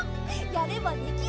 やればできる」